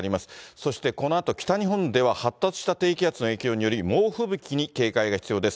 そして、このあと北日本では発達した低気圧の影響により、猛吹雪に警戒が必要です。